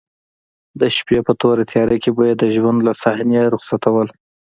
د شپې په توره تیاره کې به یې د ژوند له صحنې رخصتول.